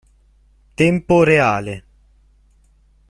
Tempo reale